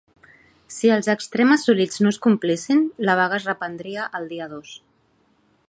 Si els extrems assolits no es complissin, la vaga es reprendria el dia dos.